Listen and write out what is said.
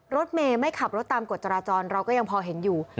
รถเมย์ไม่ขับรถตามกฎจราจรเราก็ยังพอเห็นอยู่